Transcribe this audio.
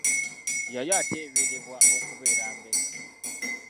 Yali ateeberebwa okubeera mbega.